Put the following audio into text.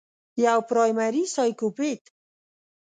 يوه پرائمري سايکوپېت